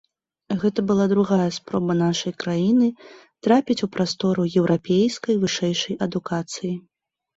Гэта была другая спроба нашай краіны трапіць у прастору еўрапейскай вышэйшай адукацыі.